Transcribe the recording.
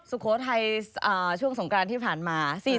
สุโขทัยช่วงสงกรานที่ผ่านมา